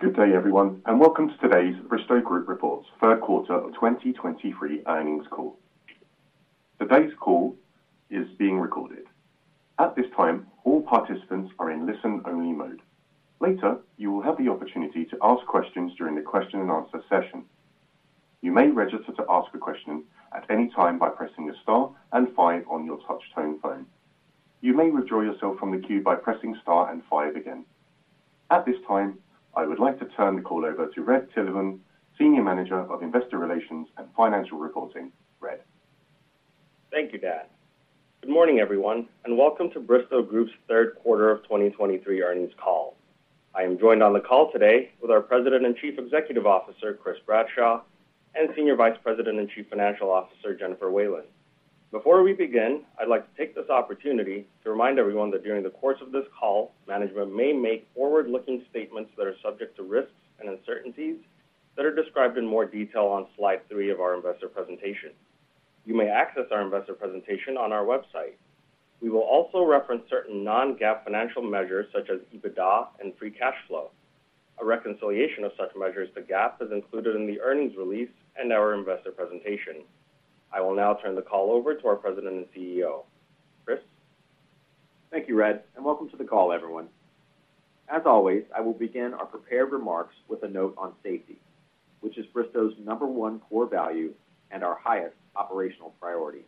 Good day, everyone, and welcome to today's Bristow Group reports third quarter of 2023 earnings call. Today's call is being recorded. At this time, all participants are in listen-only mode. Later, you will have the opportunity to ask questions during the question and answer session. You may register to ask a question at any time by pressing the star and five on your touch-tone phone. You may withdraw yourself from the queue by pressing star and five again. At this time, I would like to turn the call over to Red Tilahun, Senior Manager of Investor Relations and Financial Reporting. Red? Thank you, Dan. Good morning, everyone, and welcome to Bristow Group's third quarter of 2023 earnings call. I am joined on the call today with our President and Chief Executive Officer, Chris Bradshaw, and Senior Vice President and Chief Financial Officer, Jennifer Whalen. Before we begin, I'd like to take this opportunity to remind everyone that during the course of this call, management may make forward-looking statements that are subject to risks and uncertainties that are described in more detail on slide 3 of our investor presentation. You may access our investor presentation on our website. We will also reference certain non-GAAP financial measures, such as EBITDA and free cash flow. A reconciliation of such measures to GAAP is included in the earnings release and our investor presentation. I will now turn the call over to our President and CEO. Chris? Thank you, Red, and welcome to the call, everyone. As always, I will begin our prepared remarks with a note on safety, which is Bristow's number one core value and our highest operational priority.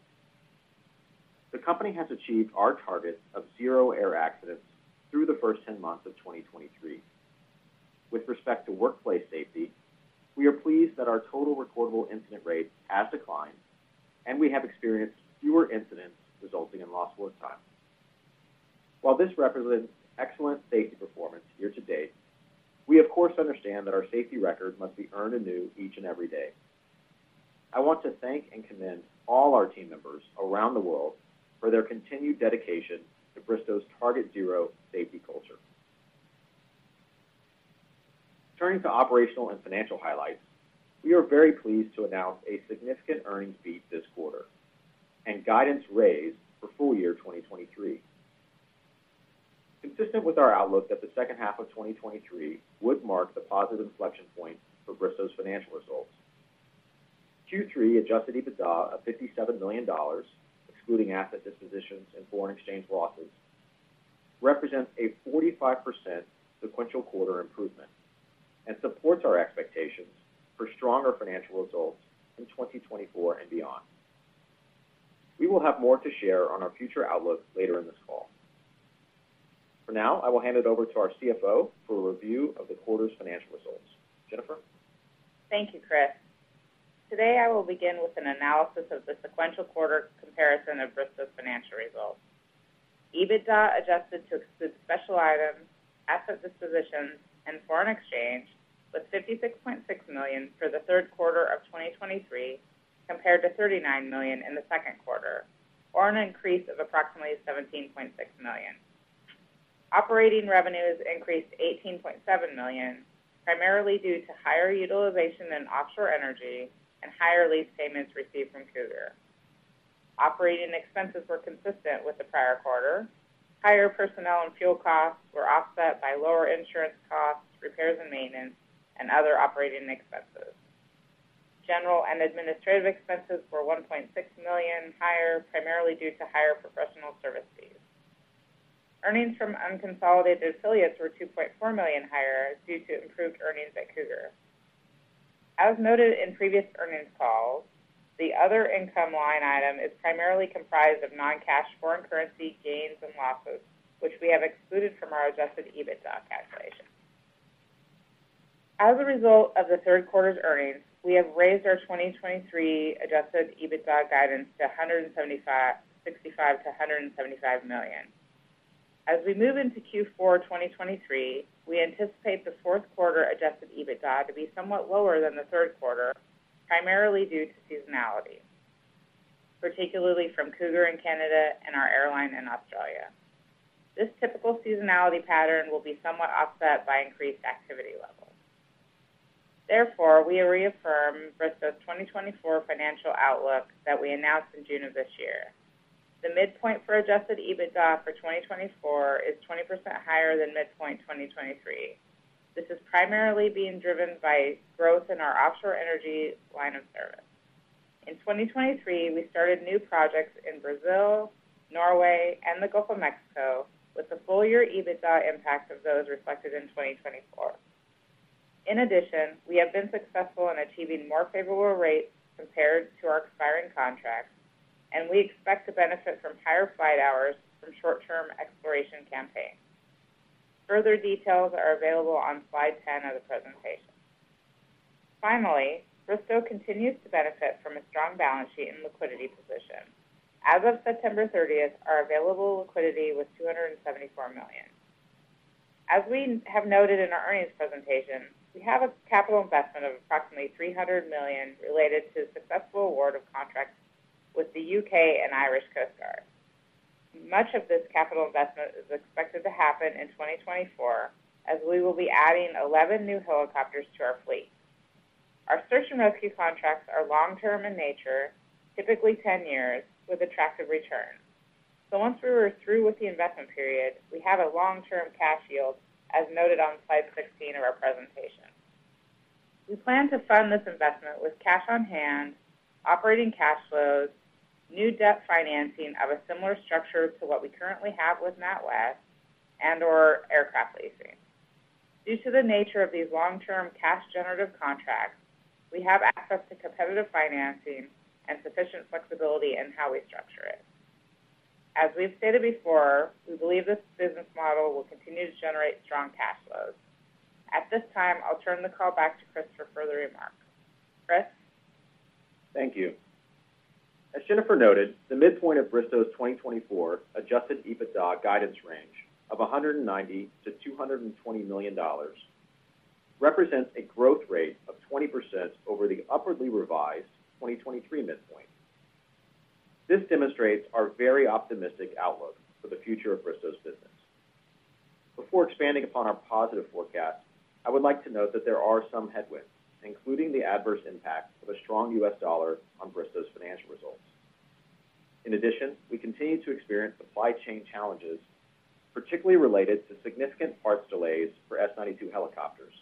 The company has achieved our target of zero air accidents through the first 10 months of 2023. With respect to workplace safety, we are pleased that our total recordable incident rate has declined, and we have experienced fewer incidents resulting in lost work time. While this represents excellent safety performance year to date, we of course, understand that our safety record must be earned anew each and every day. I want to thank and commend all our team members around the world for their continued dedication to Bristow's Target Zero safety culture. Turning to operational and financial highlights, we are very pleased to announce a significant earnings beat this quarter and guidance raise for full year 2023. Consistent with our outlook that the second half of 2023 would mark the positive inflection point for Bristow's financial results, Q3 Adjusted EBITDA of $57 million, excluding asset dispositions and foreign exchange losses, represents a 45% sequential quarter improvement and supports our expectations for stronger financial results in 2024 and beyond. We will have more to share on our future outlook later in this call. For now, I will hand it over to our CFO for a review of the quarter's financial results. Jennifer? Thank you, Chris. Today, I will begin with an analysis of the sequential quarter comparison of Bristow's financial results. EBITDA, adjusted to exclude special items, asset dispositions, and foreign exchange, was $56.6 million for the third quarter of 2023, compared to $39 million in the second quarter, or an increase of approximately $17.6 million. Operating revenues increased to $18.7 million, primarily due to higher utilization in offshore energy and higher lease payments received from Cougar. Operating expenses were consistent with the prior quarter. Higher personnel and fuel costs were offset by lower insurance costs, repairs and maintenance, and other operating expenses. General and administrative expenses were $1.6 million higher, primarily due to higher professional service fees. Earnings from unconsolidated affiliates were $2.4 million higher due to improved earnings at Cougar. As noted in previous earnings calls, the other income line item is primarily comprised of non-cash foreign currency gains and losses, which we have excluded from our Adjusted EBITDA calculation. As a result of the third quarter's earnings, we have raised our 2023 Adjusted EBITDA guidance to $165 million-$175 million. As we move into Q4 2023, we anticipate the fourth quarter Adjusted EBITDA to be somewhat lower than the third quarter, primarily due to seasonality, particularly from Cougar in Canada and our airline in Australia. This typical seasonality pattern will be somewhat offset by increased activity levels. Therefore, we reaffirm Bristow's 2024 financial outlook that we announced in June of this year. The midpoint for Adjusted EBITDA for 2024 is 20% higher than midpoint 2023. This is primarily being driven by growth in our offshore energy line of service. In 2023, we started new projects in Brazil, Norway, and the Gulf of Mexico, with the full-year EBITDA impact of those reflected in 2024. In addition, we have been successful in achieving more favorable rates compared to our expiring contracts, and we expect to benefit from higher flight hours from short-term exploration campaigns. Further details are available on slide 10 of the presentation. Finally, Bristow continues to benefit from a strong balance sheet and liquidity position. As of September 30, our available liquidity was $274 million. As we have noted in our earnings presentation, we have a capital investment of approximately $300 million related to the successful award of contracts with the UK and Irish Coast Guard. Much of this capital investment is expected to happen in 2024, as we will be adding 11 new helicopters to our fleet.... Search and rescue contracts are long-term in nature, typically 10 years, with attractive returns. So once we were through with the investment period, we have a long-term cash yield, as noted on slide 16 of our presentation. We plan to fund this investment with cash on hand, operating cash flows, new debt financing of a similar structure to what we currently have with NatWest, and/or aircraft leasing. Due to the nature of these long-term cash generative contracts, we have access to competitive financing and sufficient flexibility in how we structure it. As we've stated before, we believe this business model will continue to generate strong cash flows. At this time, I'll turn the call back to Chris for further remarks. Chris? Thank you. As Jennifer noted, the midpoint of Bristow's 2024 Adjusted EBITDA guidance range of $190 million-$220 million represents a growth rate of 20% over the upwardly revised 2023 midpoint. This demonstrates our very optimistic outlook for the future of Bristow's business. Before expanding upon our positive forecast, I would like to note that there are some headwinds, including the adverse impact of a strong U.S. dollar on Bristow's financial results. In addition, we continue to experience supply chain challenges, particularly related to significant parts delays for S-92 helicopters,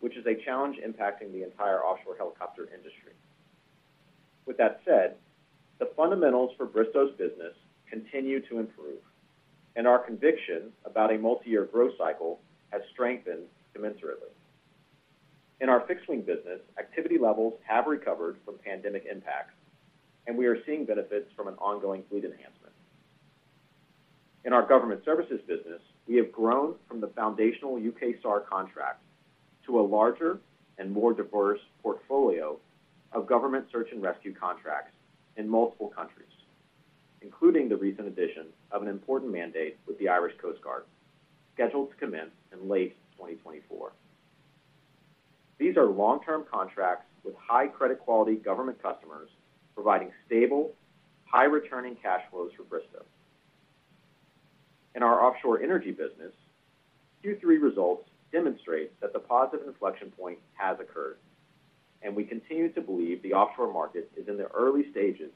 which is a challenge impacting the entire offshore helicopter industry. With that said, the fundamentals for Bristow's business continue to improve, and our conviction about a multi-year growth cycle has strengthened commensurately. In our fixed-wing business, activity levels have recovered from pandemic impacts, and we are seeing benefits from an ongoing fleet enhancement. In our government services business, we have grown from the foundational U.K. SAR contract to a larger and more diverse portfolio of government search and rescue contracts in multiple countries, including the recent addition of an important mandate with the Irish Coast Guard, scheduled to commence in late 2024. These are long-term contracts with high credit quality government customers, providing stable, high returning cash flows for Bristow. In our offshore energy business, Q3 results demonstrate that the positive inflection point has occurred, and we continue to believe the offshore market is in the early stages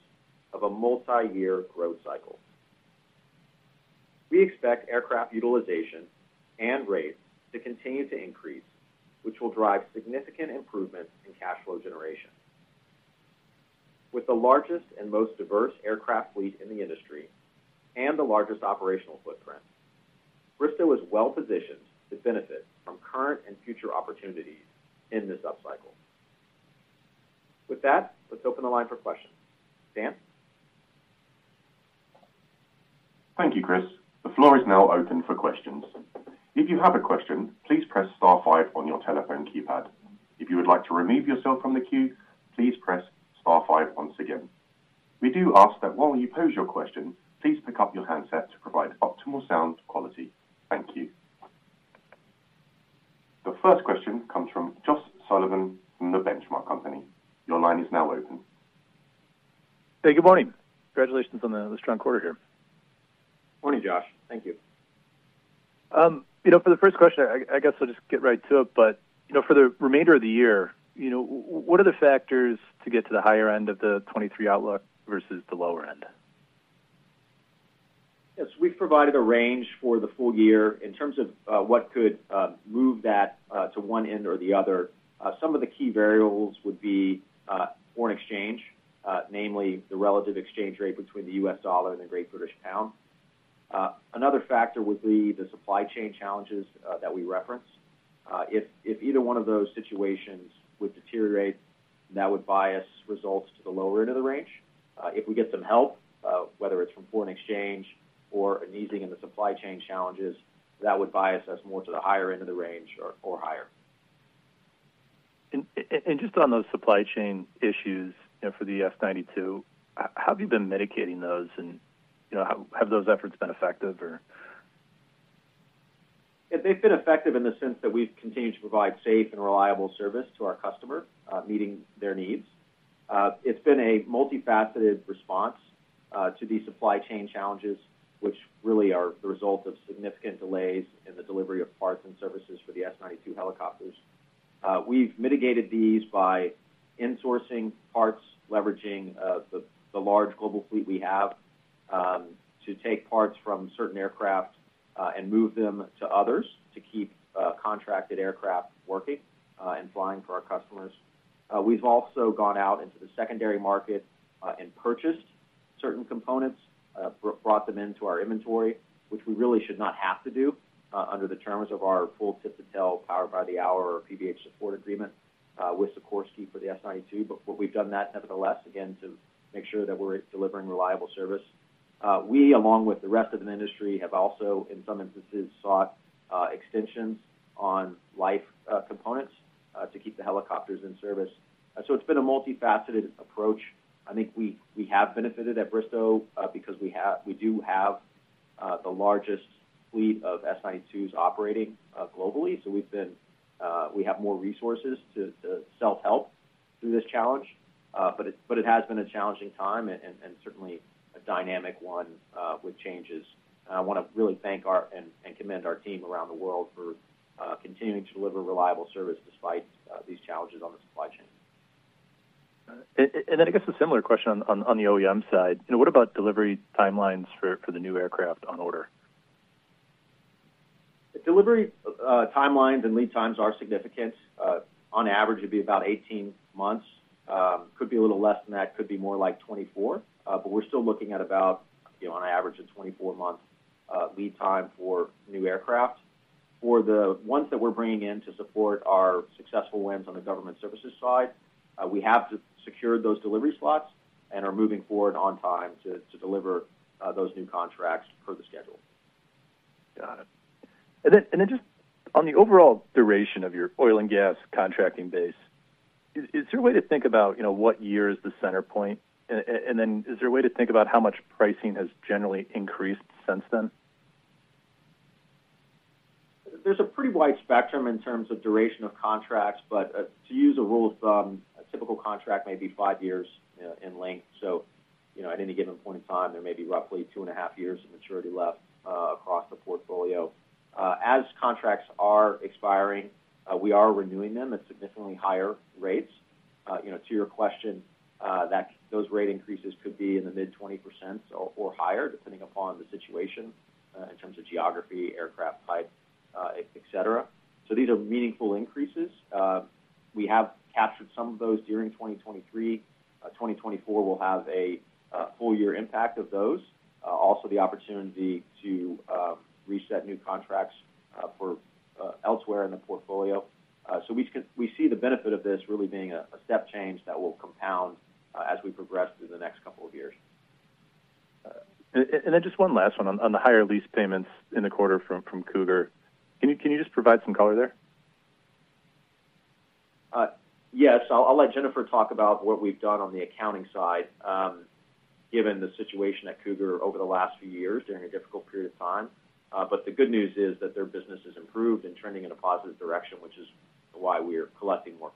of a multi-year growth cycle. We expect aircraft utilization and rates to continue to increase, which will drive significant improvements in cash flow generation. With the largest and most diverse aircraft fleet in the industry and the largest operational footprint, Bristow is well positioned to benefit from current and future opportunities in this upcycle. With that, let's open the line for questions. Dan? Thank you, Chris. The floor is now open for questions. If you have a question, please press star five on your telephone keypad. If you would like to remove yourself from the queue, please press star five once again. We do ask that while you pose your question, please pick up your handset to provide optimal sound quality. Thank you. The first question comes from Josh Sullivan from The Benchmark Company. Your line is now open. Hey, good morning. Congratulations on the strong quarter here. Morning, Josh. Thank you. You know, for the first question, I guess I'll just get right to it. But, you know, for the remainder of the year, you know, what are the factors to get to the higher end of the 2023 outlook versus the lower end? Yes, we've provided a range for the full year. In terms of what could move that to one end or the other, some of the key variables would be foreign exchange, namely the relative exchange rate between the US dollar and the Great British pound. Another factor would be the supply chain challenges that we referenced. If either one of those situations would deteriorate, that would bias results to the lower end of the range. If we get some help, whether it's from foreign exchange or an easing in the supply chain challenges, that would bias us more to the higher end of the range or higher. And just on those supply chain issues, you know, for the S-92, how have you been mitigating those? And, you know, how... Have those efforts been effective, or? They've been effective in the sense that we've continued to provide safe and reliable service to our customer, meeting their needs. It's been a multifaceted response to these supply chain challenges, which really are the result of significant delays in the delivery of parts and services for the S-92 helicopters. We've mitigated these by insourcing parts, leveraging the large global fleet we have to take parts from certain aircraft and move them to others to keep contracted aircraft working and flying for our customers. We've also gone out into the secondary market and purchased certain components, brought them into our inventory, which we really should not have to do under the terms of our full tip-to-tail Power by the Hour or PBH support agreement with Sikorsky for the S-92. But we've done that nevertheless, again, to make sure that we're delivering reliable service. We, along with the rest of the industry, have also, in some instances, sought extensions on life components to keep the helicopters in service. So it's been a multifaceted approach. I think we, we have benefited at Bristow because we have, we do have the largest fleet of S-92s operating globally. So we've been, we have more resources to self-help through this challenge. But it, but it has been a challenging time and, and certainly a dynamic one with changes. And I wanna really thank our and, and commend our team around the world for continuing to deliver reliable service despite these challenges on the supply chain. And then I guess a similar question on the OEM side. You know, what about delivery timelines for the new aircraft on order? The delivery timelines and lead times are significant. On average, it'd be about 18 months. Could be a little less than that, could be more like 24. But we're still looking at about, you know, on average, a 24-month lead time for new aircraft. For the ones that we're bringing in to support our successful wins on the government services side, we have to secure those delivery slots and are moving forward on time to deliver those new contracts per the schedule. Got it. And then just on the overall duration of your oil and gas contracting base, is there a way to think about, you know, what year is the center point? And then is there a way to think about how much pricing has generally increased since then? There's a pretty wide spectrum in terms of duration of contracts, but, to use a rule of thumb, a typical contract may be five years in length. So, you know, at any given point in time, there may be roughly two and a half years of maturity left across the portfolio. As contracts are expiring, we are renewing them at significantly higher rates. You know, to your question, those rate increases could be in the mid-20% or higher, depending upon the situation in terms of geography, aircraft type, et cetera. So these are meaningful increases. We have captured some of those during 2023. 2024 will have a full year impact of those. Also the opportunity to reset new contracts for elsewhere in the portfolio. So we see the benefit of this really being a step change that will compound as we progress through the next couple of years. And then just one last one. On the higher lease payments in the quarter from Cougar. Can you just provide some color there? Yes. I'll let Jennifer talk about what we've done on the accounting side, given the situation at Cougar over the last few years during a difficult period of time. But the good news is that their business has improved and turning in a positive direction, which is why we are collecting more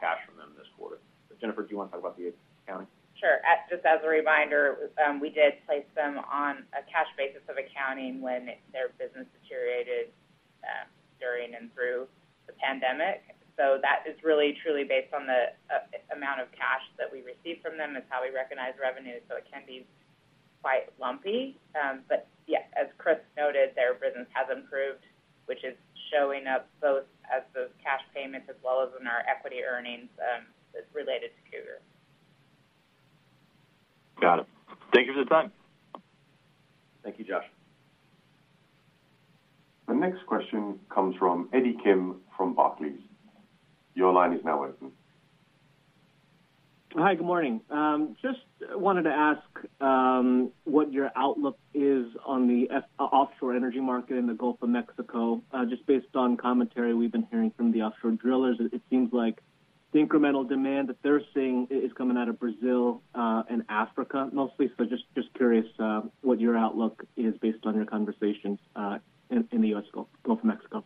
cash from them this quarter. Jennifer, do you want to talk about the accounting? Sure. Just as a reminder, we did place them on a cash basis of accounting when their business deteriorated, during and through the pandemic. So that is really truly based on the amount of cash that we receive from them. It's how we recognize revenue, so it can be quite lumpy. But yeah, as Chris noted, their business has improved, which is showing up both as those cash payments as well as in our equity earnings, that's related to Cougar. Got it. Thank you for the time. Thank you, Josh. The next question comes from Eddie Kim from Barclays. Your line is now open. Hi, good morning. Just wanted to ask, what your outlook is on the offshore energy market in the Gulf of Mexico. Just based on commentary we've been hearing from the offshore drillers, it seems like the incremental demand that they're seeing is coming out of Brazil, and Africa mostly. So just curious, what your outlook is based on your conversations, in the US Gulf, Gulf of Mexico.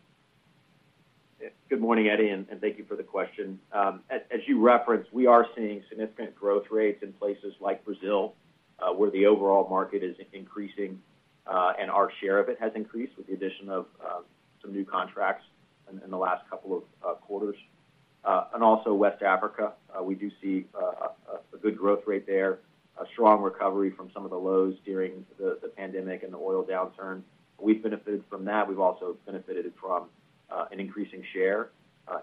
Good morning, Eddie, and thank you for the question. As you referenced, we are seeing significant growth rates in places like Brazil, where the overall market is increasing, and our share of it has increased with the addition of some new contracts in the last couple of quarters. And also West Africa, we do see a good growth rate there, a strong recovery from some of the lows during the pandemic and the oil downturn. We've benefited from that. We've also benefited from an increasing share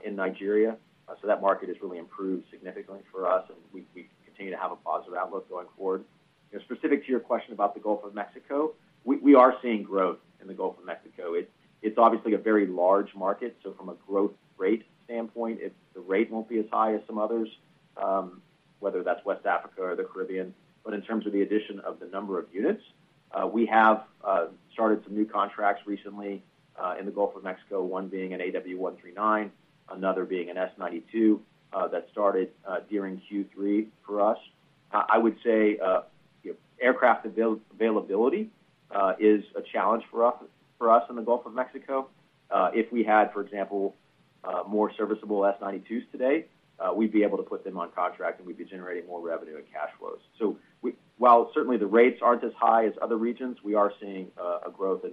in Nigeria. So that market has really improved significantly for us, and we continue to have a positive outlook going forward. You know, specific to your question about the Gulf of Mexico, we are seeing growth in the Gulf of Mexico. It's obviously a very large market, so from a growth rate standpoint, it's the rate won't be as high as some others, whether that's West Africa or the Caribbean. But in terms of the addition of the number of units, we have started some new contracts recently in the Gulf of Mexico, one being an AW139, another being an S-92, that started during Q3 for us. I would say, you know, aircraft availability is a challenge for us in the Gulf of Mexico. If we had, for example, more serviceable S-92s today, we'd be able to put them on contract, and we'd be generating more revenue and cash flows. So while certainly the rates aren't as high as other regions, we are seeing a growth in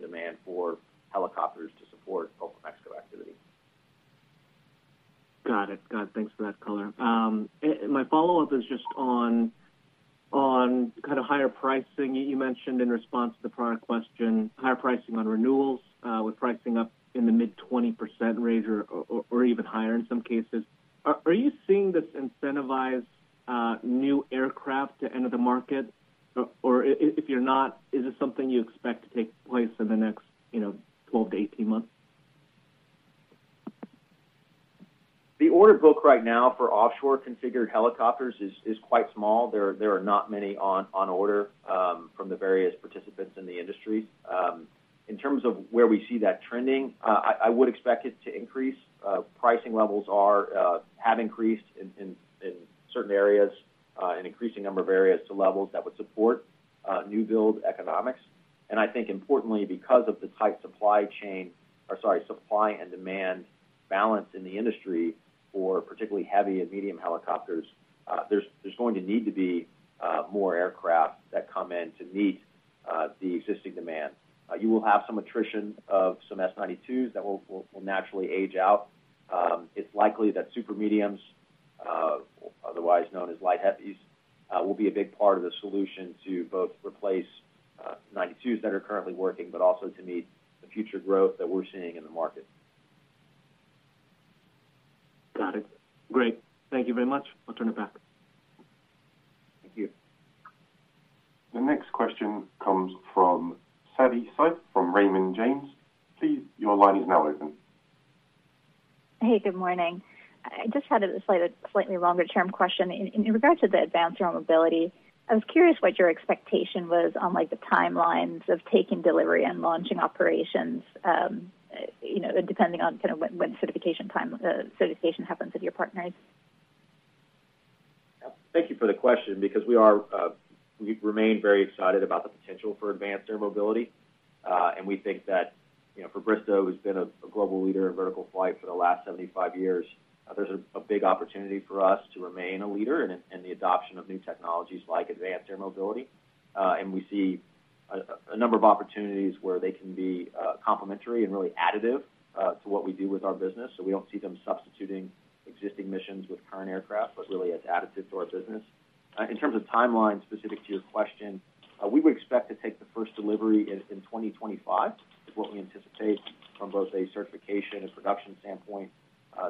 demand for helicopters to support Gulf of Mexico activity. Got it. Got it. Thanks for that color. And my follow-up is just on kind of higher pricing. You mentioned in response to the prior question, higher pricing on renewals, with pricing up in the mid-20% range or even higher in some cases. Are you seeing this incentivize new aircraft to enter the market? Or if you're not, is this something you expect to take place in the next, you know, 12-18 months? The order book right now for offshore-configured helicopters is quite small. There are not many on order from the various participants in the industry. In terms of where we see that trending, I would expect it to increase. Pricing levels have increased in certain areas, an increasing number of areas to levels that would support new build economics.... And I think importantly, because of the tight supply chain, or sorry, supply and demand balance in the industry for particularly heavy and medium helicopters, there's going to need to be more aircraft that come in to meet the existing demand. You will have some attrition of some S-92s that will naturally age out. It's likely that Super Mediums, otherwise known as Light Heavies, will be a big part of the solution to both replace 92s that are currently working, but also to meet the future growth that we're seeing in the market. Got it. Great. Thank you very much. I'll turn it back. Thank you. The next question comes from Savi Syth from Raymond James. Please, your line is now open. Hey, good morning. I just had a slightly longer-term question. In regard to the advanced air mobility, I was curious what your expectation was on, like, the timelines of taking delivery and launching operations, you know, depending on kind of when certification happens with your partners. Thank you for the question, because we remain very excited about the potential for advanced air mobility. And we think that, you know, for Bristow, who's been a global leader in vertical flight for the last 75 years, there's a big opportunity for us to remain a leader in the adoption of new technologies like advanced air mobility. And we see a number of opportunities where they can be complementary and really additive to what we do with our business. So we don't see them substituting existing missions with current aircraft, but really as additive to our business. In terms of timeline, specific to your question, we would expect to take the first delivery in 2025, is what we anticipate from both a certification and production standpoint.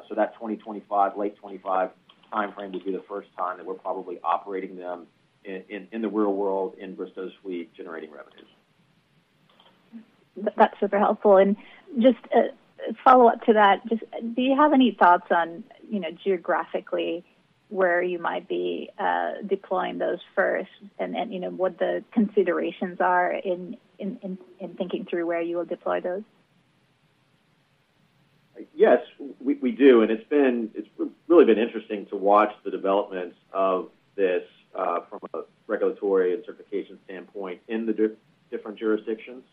So that 2025, late 2025 timeframe would be the first time that we're probably operating them in the real world, in Bristow's U.K., generating revenues. That's super helpful. And just a follow-up to that, just do you have any thoughts on, you know, geographically, where you might be deploying those first, and you know, what the considerations are in thinking through where you will deploy those? Yes, we do. And it's really been interesting to watch the developments of this from a regulatory and certification standpoint in the different jurisdictions.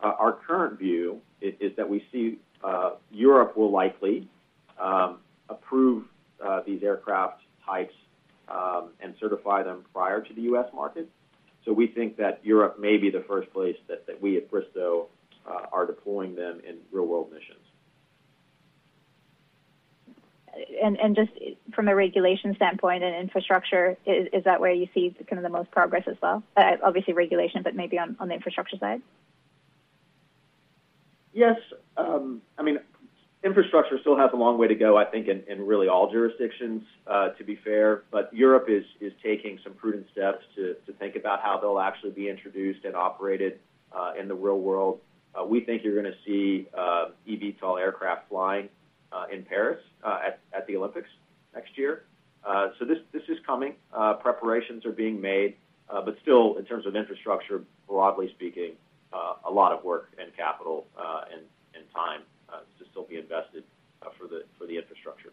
Our current view is that we see Europe will likely approve these aircraft types and certify them prior to the U.S. market. So we think that Europe may be the first place that we at Bristow are deploying them in real-world missions. And just from a regulation standpoint and infrastructure, is that where you see kind of the most progress as well? Obviously regulation, but maybe on the infrastructure side. Yes. I mean, infrastructure still has a long way to go, I think, in really all jurisdictions, to be fair. But Europe is taking some prudent steps to think about how they'll actually be introduced and operated in the real world. We think you're going to see eVTOL aircraft flying in Paris at the Olympics next year. So this is coming. Preparations are being made, but still, in terms of infrastructure, broadly speaking, a lot of work and capital and time to still be invested for the infrastructure.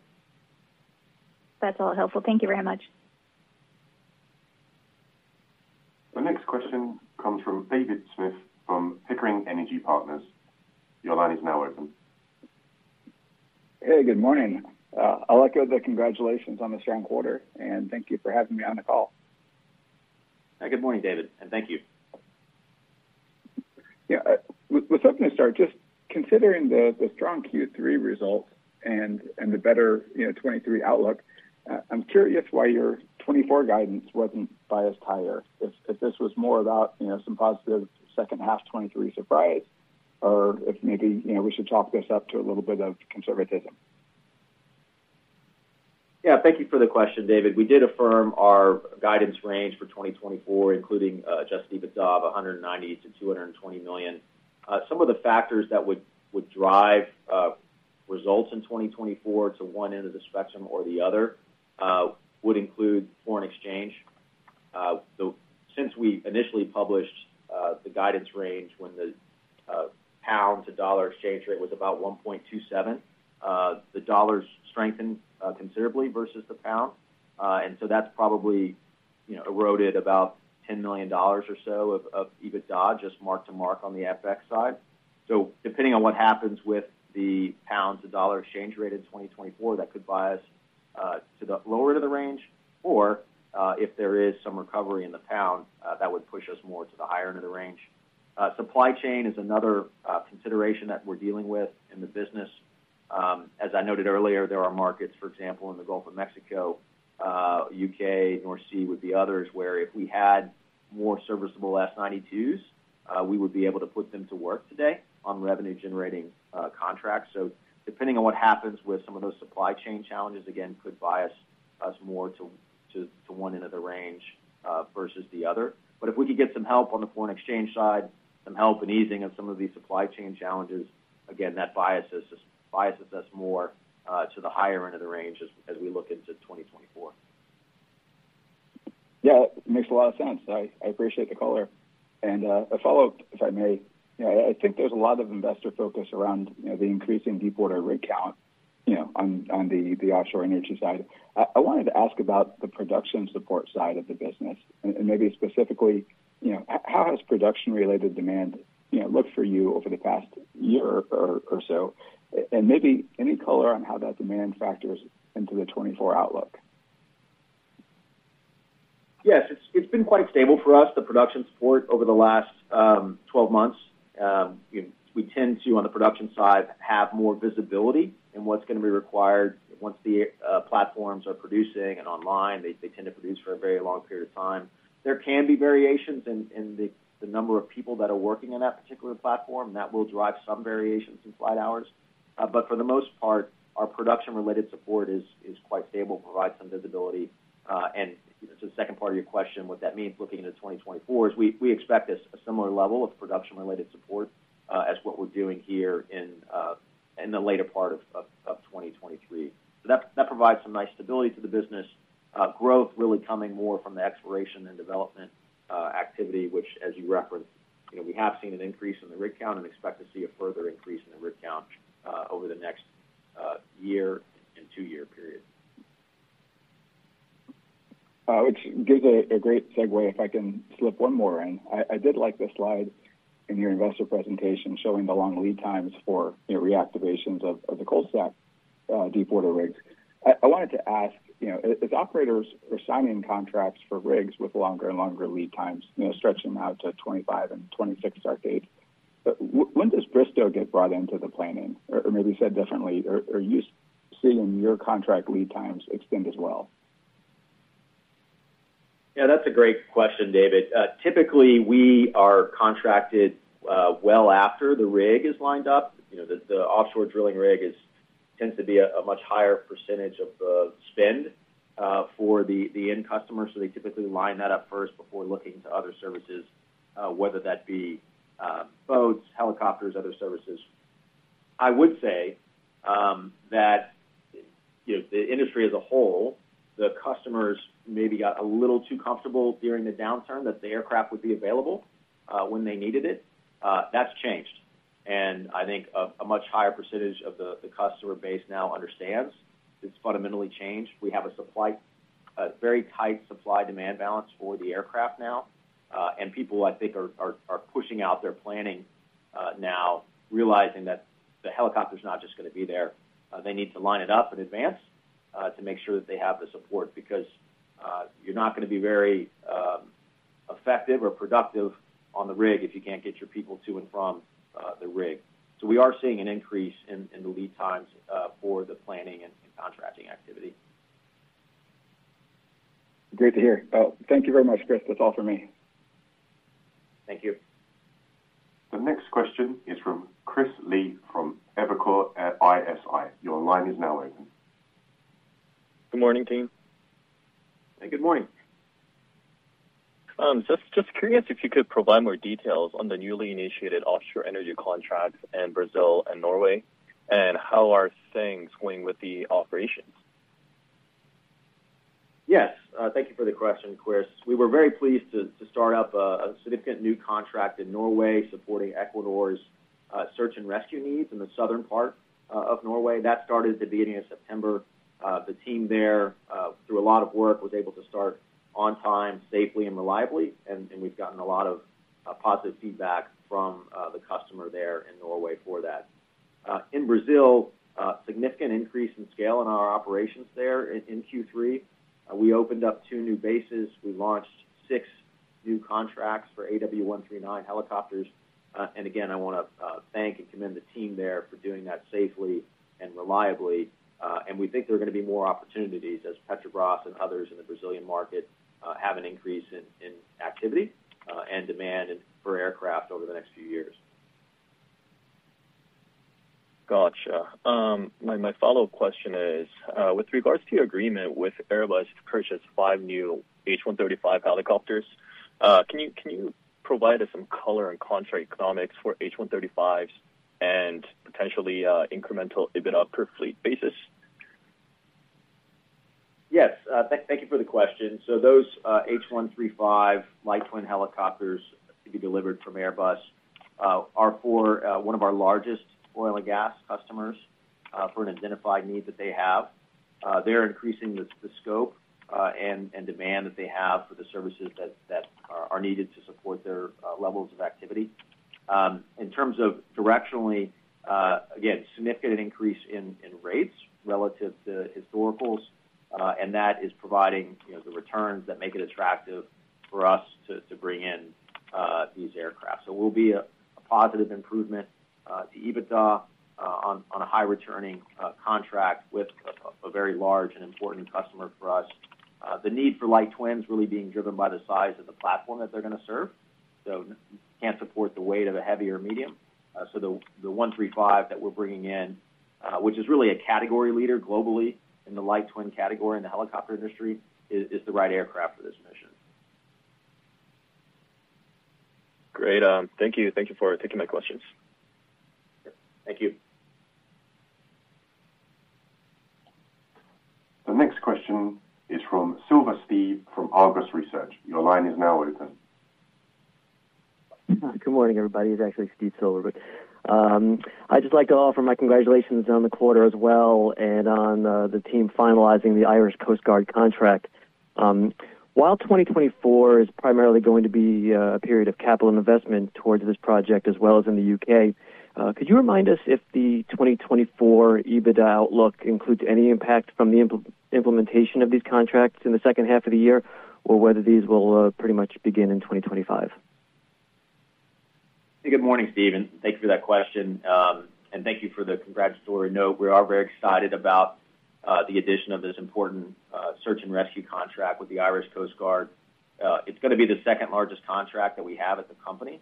That's all helpful. Thank you very much. The next question comes from David Smith from Pickering Energy Partners. Your line is now open. Hey, good morning. I'll echo the congratulations on the strong quarter, and thank you for having me on the call. Good morning, David, and thank you. Yeah, with that going to start, just considering the strong Q3 results and the better, you know, 2023 outlook, I'm curious why your 2024 guidance wasn't biased higher. If this was more about, you know, some positive second half 2023 surprise, or if maybe, you know, we should chalk this up to a little bit of conservatism. Yeah, thank you for the question, David. We did affirm our guidance range for 2024, including adjusted EBITDA, $190 million-$220 million. Some of the factors that would drive results in 2024 to 1 end of the spectrum or the other would include foreign exchange. So since we initially published the guidance range when the pound-to-dollar exchange rate was about 1.27, the dollar's strengthened considerably versus the pound. And so that's probably, you know, eroded about $10 million or so of EBITDA, just mark to mark on the FX side. So depending on what happens with the pound-to-dollar exchange rate in 2024, that could bias to the lower to the range, or, if there is some recovery in the pound, that would push us more to the higher end of the range. Supply chain is another consideration that we're dealing with in the business. As I noted earlier, there are markets, for example, in the Gulf of Mexico, U.K., North Sea, with the others, where if we had more serviceable S-92s, we would be able to put them to work today on revenue-generating contracts. So depending on what happens with some of those supply chain challenges, again, could bias us more to one end of the range versus the other. But if we could get some help on the foreign exchange side, some help and easing of some of these supply chain challenges, again, that biases us more to the higher end of the range as we look into 2024. Yeah, it makes a lot of sense. I appreciate the color. And a follow-up, if I may. I think there's a lot of investor focus around, you know, the increasing deepwater rig count. You know, on the offshore energy side. I wanted to ask about the production support side of the business, and maybe specifically, you know, how has production-related demand, you know, looked for you over the past year or so? And maybe any color on how that demand factors into the 2024 outlook? Yes, it's been quite stable for us, the production support over the last 12 months. We tend to, on the production side, have more visibility in what's going to be required once the platforms are producing and online. They tend to produce for a very long period of time. There can be variations in the number of people that are working on that particular platform, that will drive some variations in flight hours. But for the most part, our production-related support is quite stable, provides some visibility. And to the second part of your question, what that means looking into 2024, is we expect a similar level of production-related support, as what we're doing here in the later part of 2023. So that provides some nice stability to the business. Growth really coming more from the exploration and development activity, which, as you referenced, you know, we have seen an increase in the rig count and expect to see a further increase in the rig count over the next year and two-year period. Which gives a great segue, if I can slip one more in. I did like the slide in your investor presentation showing the long lead times for, you know, reactivations of the cold stack deepwater rigs. I wanted to ask, you know, as operators are signing contracts for rigs with longer and longer lead times, you know, stretching out to 2025 and 2026 start date, when does Bristow get brought into the planning? Or maybe said differently, are you seeing your contract lead times extend as well? Yeah, that's a great question, David. Typically, we are contracted well after the rig is lined up. You know, the offshore drilling rig tends to be a much higher percentage of the spend for the end customer, so they typically line that up first before looking to other services, whether that be boats, helicopters, other services. I would say that, you know, the industry as a whole, the customers maybe got a little too comfortable during the downturn that the aircraft would be available when they needed it. That's changed, and I think a much higher percentage of the customer base now understands it's fundamentally changed. We have a very tight supply-demand balance for the aircraft now, and people, I think, are pushing out their planning now, realizing that the helicopter's not just gonna be there. They need to line it up in advance to make sure that they have the support, because you're not gonna be very effective or productive on the rig if you can't get your people to and from the rig. So we are seeing an increase in the lead times for the planning and contracting activity. Great to hear. Thank you very much, Chris. That's all for me. Thank you. The next question is from Chris Lee from Evercore ISI. Your line is now open. Good morning, team. Hey, good morning. Just curious if you could provide more details on the newly initiated offshore energy contracts in Brazil and Norway, and how are things going with the operations? Yes, thank you for the question, Chris. We were very pleased to start up a significant new contract in Norway, supporting Equinor search and rescue needs in the southern part of Norway. That started at the beginning of September. The team there, through a lot of work, was able to start on time, safely, and reliably, and we've gotten a lot of positive feedback from the customer there in Norway for that. In Brazil, significant increase in scale in our operations there in Q3. We opened up two new bases. We launched six new contracts for AW139 helicopters. And again, I want to thank and commend the team there for doing that safely and reliably. We think there are gonna be more opportunities as Petrobras and others in the Brazilian market have an increase in activity and demand for aircraft over the next few years. Gotcha. My follow-up question is, with regards to your agreement with Airbus to purchase five new H135 helicopters, can you provide us some color on contract economics for H135s and potentially, incremental EBITDA per fleet basis? Yes, thank you for the question. So those H135 light twin helicopters to be delivered from Airbus are for one of our largest oil and gas customers for an identified need that they have. They're increasing the scope and demand that they have for the services that are needed to support their levels of activity. In terms of directionally, again, significant increase in rates relative to historicals and that is providing, you know, the returns that make it attractive for us to bring in these aircraft. So it will be a positive improvement to EBITDA on a high returning contract with a very large and important customer for us. The need for light twins really being driven by the size of the platform that they're gonna serve, so can't support the weight of a heavier medium. So the H135 that we're bringing in, which is really a category leader globally in the light twin category in the helicopter industry, is the right aircraft for this mission. Great. Thank you. Thank you for taking my questions. Thank you. The next question is from Steve Silver from Argus Research. Your line is now open. Good morning, everybody. It's actually Steve Silver. I'd just like to offer my congratulations on the quarter as well and on the team finalizing the Irish Coast Guard contract. While 2024 is primarily going to be a period of capital investment towards this project as well as in the UK, could you remind us if the 2024 EBITDA outlook includes any impact from the implementation of these contracts in the second half of the year, or whether these will pretty much begin in 2025? Good morning, Steve, and thanks for that question. And thank you for the congratulatory note. We are very excited about the addition of this important search and rescue contract with the Irish Coast Guard. It's going to be the second largest contract that we have at the company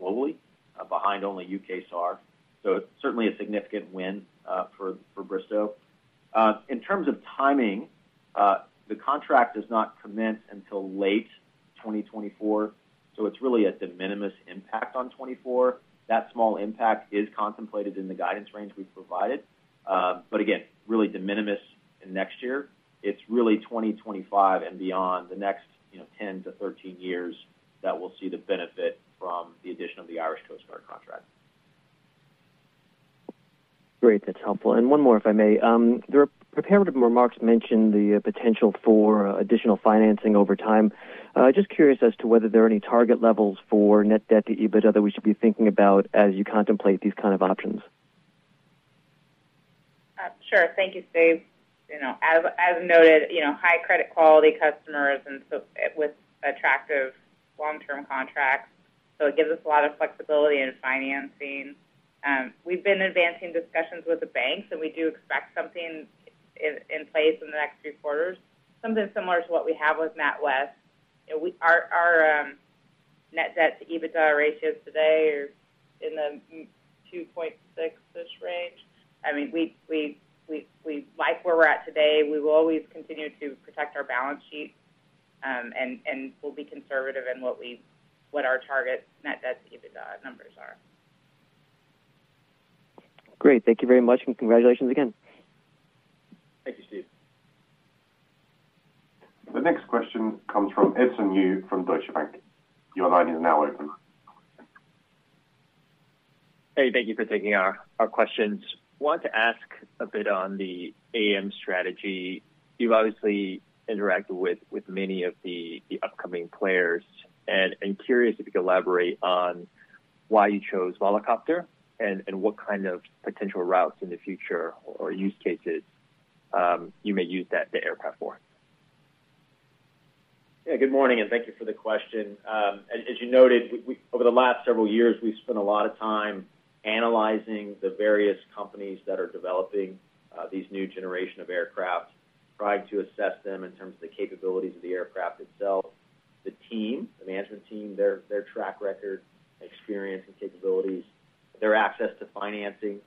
globally, behind only UK SAR. So it's certainly a significant win for Bristow. In terms of timing, the contract does not commence until late 2024, so it's really a de minimis impact on 2024. That small impact is contemplated in the guidance range we've provided, but again, really de minimis in next year. It's really 2025 and beyond, the next, you know, 10-13 years that we'll see the benefit from the addition of the Irish Coast Guard contract. Great. That's helpful. And one more, if I may. The prepared remarks mentioned the potential for additional financing over time. Just curious as to whether there are any target levels for net debt to EBITDA that we should be thinking about as you contemplate these kind of options. Sure. Thank you, Steve. You know, as noted, you know, high credit quality customers and so with attractive long-term contracts, so it gives us a lot of flexibility in financing. We've been advancing discussions with the banks, and we do expect something in place in the next few quarters, something similar to what we have with NatWest. You know, our net debt to EBITDA ratios today are in the 2.6-ish range. I mean, we like where we're at today. We will always continue to protect our balance sheet, and we'll be conservative in what our target net debt to EBITDA numbers are. Great. Thank you very much, and congratulations again. Thank you, Steve. The next question comes from Edison Yu from Deutsche Bank. Your line is now open. Hey, thank you for taking our questions. Wanted to ask a bit on the AAM strategy. You've obviously interacted with many of the upcoming players, and I'm curious if you could elaborate on why you chose Volocopter and what kind of potential routes in the future or use cases you may use the aircraft for. Yeah, good morning, and thank you for the question. As you noted, over the last several years, we've spent a lot of time analyzing the various companies that are developing these new generation of aircraft, trying to assess them in terms of the capabilities of the aircraft itself, the team, the management team, their track record, experience and capabilities, their access to financing,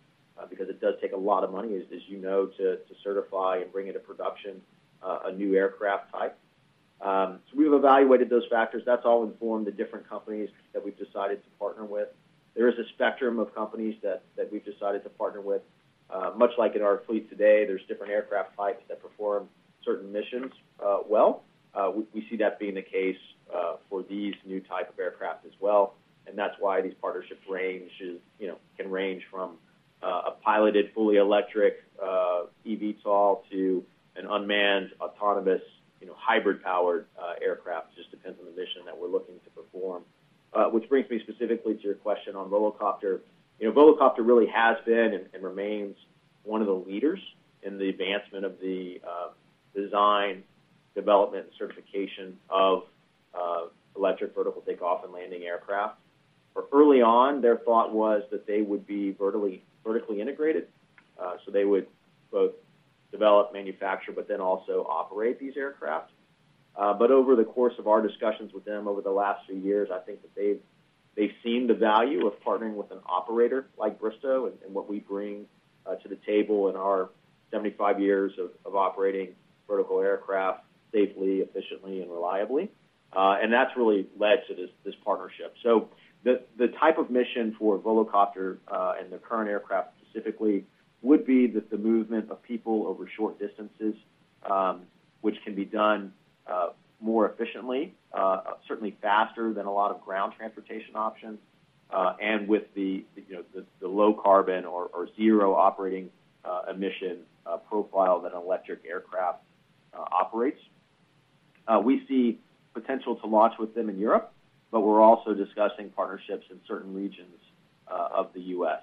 because it does take a lot of money, as you know, to certify and bring into production a new aircraft type. So we've evaluated those factors. That's all informed the different companies that we've decided to partner with. There is a spectrum of companies that we've decided to partner with. Much like in our fleet today, there's different aircraft types that perform certain missions well. We, we see that being the case for these new type of aircraft as well, and that's why these partnerships, you know, can range from a piloted, fully electric eVTOL to an unmanned, autonomous, you know, hybrid-powered aircraft. Just depends on the mission that we're looking to perform. Which brings me specifically to your question on Volocopter. You know, Volocopter really has been and, and remains one of the leaders in the advancement of the design, development, and certification of electric vertical takeoff and landing aircraft. Early on, their thought was that they would be vertically, vertically integrated, so they would both develop, manufacture, but then also operate these aircraft. But over the course of our discussions with them over the last few years, I think that they've seen the value of partnering with an operator like Bristow and what we bring to the table in our 75 years of operating vertical aircraft safely, efficiently, and reliably. And that's really led to this partnership. So the type of mission for Volocopter and the current aircraft specifically, would be that the movement of people over short distances, which can be done more efficiently, certainly faster than a lot of ground transportation options, and with the, you know, the low carbon or zero operating emission profile that an electric aircraft operates. We see potential to launch with them in Europe, but we're also discussing partnerships in certain regions of the U.S.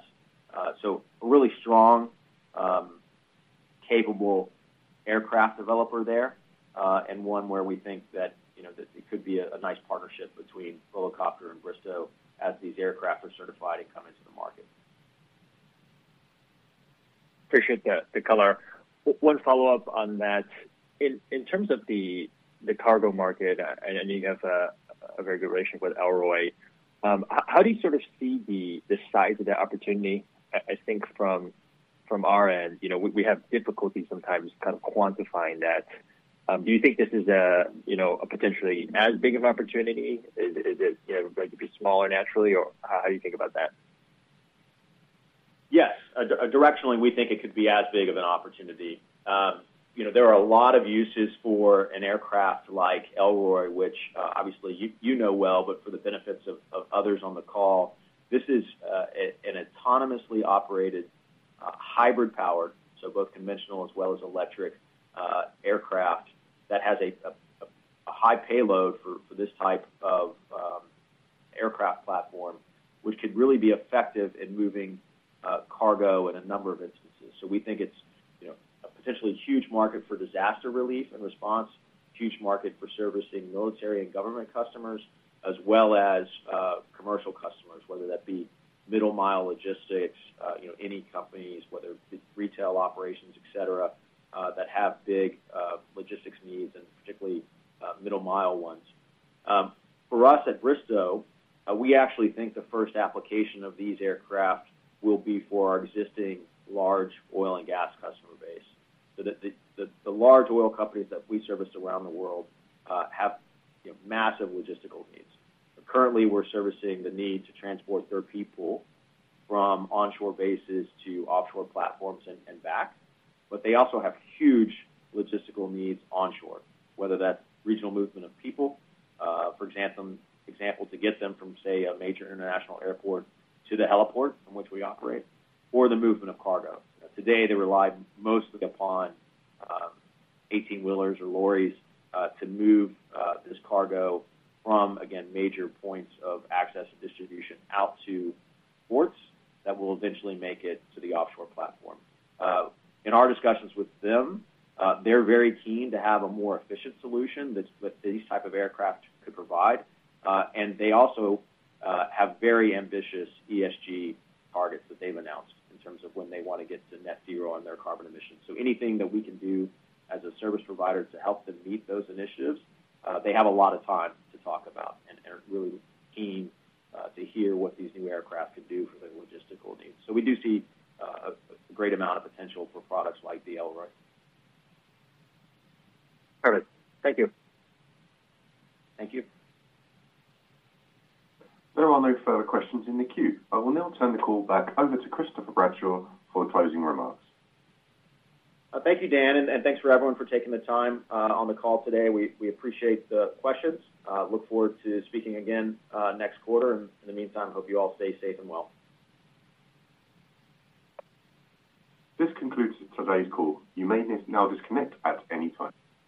So a really strong, capable aircraft developer there, and one where we think that, you know, that it could be a nice partnership between Volocopter and Bristow as these aircraft are certified and come into the market. Appreciate the color. One follow-up on that. In terms of the cargo market, and you have a very good relationship with Elroy, how do you sort of see the size of the opportunity? I think from our end, you know, we have difficulty sometimes kind of quantifying that. Do you think this is, you know, a potentially as big of an opportunity? Is it, you know, going to be smaller naturally, or how do you think about that?... Yes, directionally, we think it could be as big of an opportunity. You know, there are a lot of uses for an aircraft like Elroy, which, obviously you know well, but for the benefits of others on the call, this is an autonomously operated, hybrid powered, so both conventional as well as electric, aircraft, that has a high payload for this type of aircraft platform, which could really be effective in moving cargo in a number of instances. So we think it's, you know, a potentially huge market for disaster relief and response, huge market for servicing military and government customers, as well as, commercial customers, whether that be middle mile logistics, you know, any companies, whether it's retail operations, et cetera, that have big, logistics needs and particularly, middle mile ones. For us at Bristow, we actually think the first application of these aircraft will be for our existing large oil and gas customer base. So the large oil companies that we service around the world, have, you know, massive logistical needs. Currently, we're servicing the need to transport their people from onshore bases to offshore platforms and back, but they also have huge logistical needs onshore, whether that's regional movement of people, for example, to get them from, say, a major international airport to the heliport from which we operate, or the movement of cargo. Today, they rely mostly upon eighteen-wheelers or lorries to move this cargo from, again, major points of access and distribution out to ports that will eventually make it to the offshore platform. In our discussions with them, they're very keen to have a more efficient solution that these type of aircraft could provide. And they also have very ambitious ESG targets that they've announced in terms of when they want to get to net zero on their carbon emissions. So anything that we can do as a service provider to help them meet those initiatives, they have a lot of time to talk about and and are really keen to hear what these new aircraft could do for their logistical needs. So we do see a great amount of potential for products like the Elroy. Perfect. Thank you. Thank you. There are no further questions in the queue. I will now turn the call back over to Christopher Bradshaw for closing remarks. Thank you, Dan, and thanks for everyone for taking the time on the call today. We appreciate the questions. Look forward to speaking again next quarter, and in the meantime, hope you all stay safe and well. This concludes today's call. You may now disconnect at any time.